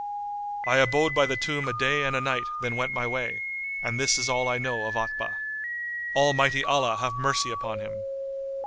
I abode by the tomb a day and a night, then went my way; and this is all I know of Otbah. Almighty Allah have mercy upon him!